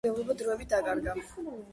უელსმა დამოუკიდებლობა დროებით დაკარგა.